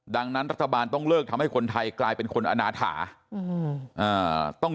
ดังนั้นรัฐบาลต้องเลิกทำให้คนไทยกลายเป็นคนอนาถา